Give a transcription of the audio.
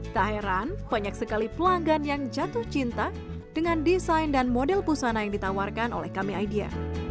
tak heran banyak sekali pelanggan yang jatuh cinta dengan desain dan model pusana yang ditawarkan oleh kami idea